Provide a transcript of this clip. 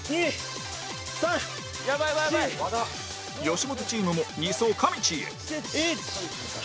吉本チームも２走かみちぃへ